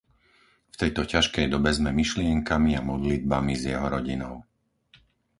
V tejto ťažkej dobe sme myšlienkami a modlitbami s jeho rodinou.